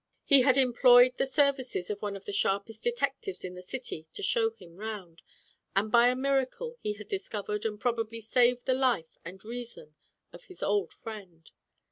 He had employed the services of one of the sharpest detectives in the city to show him round, and by a miracle he had discovered and probably saved the life and reason of his old friend.